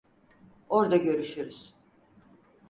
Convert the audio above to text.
Orda görüşürüz.